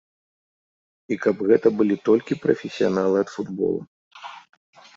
І каб гэта былі толькі прафесіяналы ад футбола.